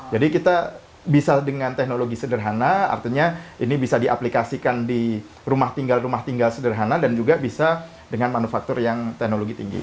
jadi kita bisa dengan teknologi sederhana artinya ini bisa diaplikasikan di rumah tinggal rumah tinggal sederhana dan juga bisa dengan manufaktur yang teknologi tinggi